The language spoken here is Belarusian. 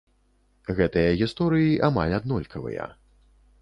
Гэтыя гісторыі амаль аднолькавыя.